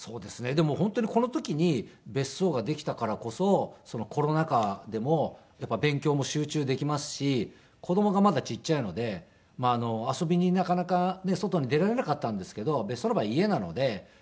でも本当にこの時に別荘ができたからこそコロナ禍でも勉強も集中できますし子供がまだちっちゃいので遊びになかなかね外に出られなかったんですけど別荘の場合家なので。